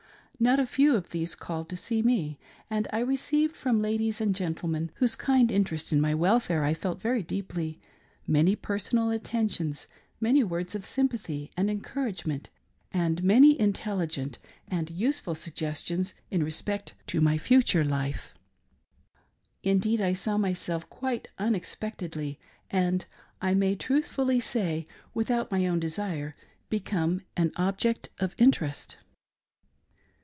Not a few of these called to see me ; and I received from ladies and gentlemen — whose kind interest in my welfare I felt very deeply — many personal attentions, many words of sympathy and encourage ment, and many intelligent and useful suggestions in respect to my future life. Indeed, I saw myself quite unexpectedly, and, I may truthfully say, without my own desire, become an object of interest.